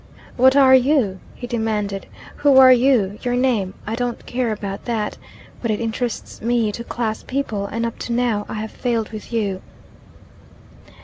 "What are you?" he demanded. "Who are you your name I don't care about that. But it interests me to class people, and up to now I have failed with you."